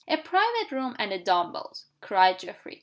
"A private room and the dumb bells!" cried Geoffrey.